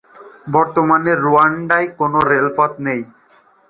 বর্তমানে রুয়ান্ডায় কোন রেলপথ নেই।